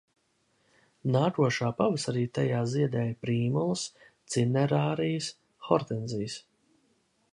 Nākošā pavasarī tajā ziedēja prīmulas, cinerarījas, hortenzijas.